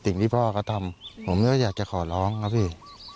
สิ่งที่พ่อก็ทำผมอยากจะขอโรคครับพี่